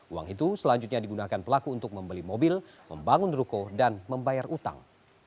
uang itu selanjutnya digunakan pelaku untuk membeli mobil membangun ruko dan membayar utang